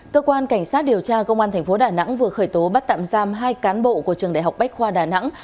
cơ quan cảnh sát điều tra công an thành phố đà nẵng vừa khởi tố bắt tạm giam hai cán bộ của trường đại học bách khoa đà nẵng